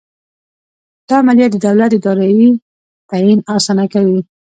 دا عملیه د دولت د دارایۍ تعین اسانه کوي.